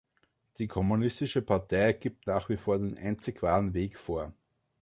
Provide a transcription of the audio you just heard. Die kommunistische Partei gibt nach wie vor den einzig wahren Weg vor.